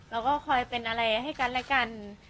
เราก็คอยเป็นอะไรให้กันและกัน